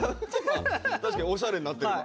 確かにおしゃれになってるわ。